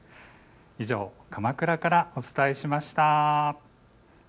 以上、鎌倉からお伝えしました。